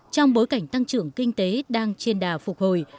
trong bối cảnh tăng trưởng kinh tế đang trên đà phục hồi